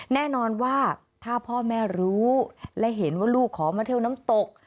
แน่นอนว่าถ้าพ่อแม่รู้และเห็นว่าลูกขอมาเที่ยวน้ำตก